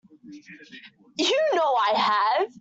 You know I have.